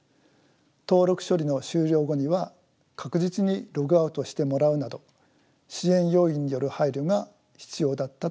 登録処理の終了後には確実にログアウトしてもらうなど支援要員による配慮が必要だったと思います。